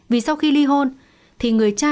vì sau khi ly hôn thì người cha